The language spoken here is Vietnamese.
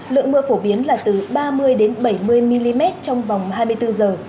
lượng mưa phổ biến là từ ba mươi bảy mươi mm trong vòng hai mươi bốn giờ